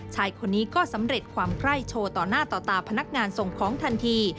ชายคนนี้ก็สำเร็จความไคร้โชว์ต่อหน้าต่อตาพนักงานส่งของทันที